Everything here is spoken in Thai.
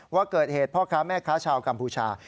ว่าเกิดเหตุพ่อค้าแม่ค้าชาวกัมพูชา